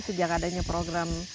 sejak adanya program